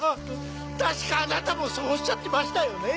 確かあなたもそうおっしゃってましたよね？